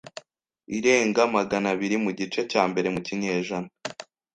irenga magana abiri mu gice cya mbere mu kinyejana